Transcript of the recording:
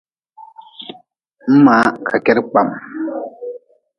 Mʼmaa ka kedi kpam.